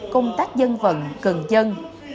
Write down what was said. công tác dân vận cường dân